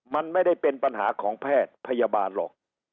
มันไม่ได้เป็นปัญหาของแพทย์พยาบาลหรอก